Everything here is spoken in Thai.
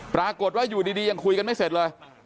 ปรากฏว่าอยู่ดียังคุยกันไม่เสร็จเลย